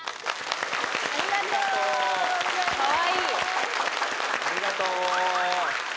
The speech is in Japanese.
ありがとううわ